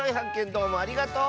どうもありがとう！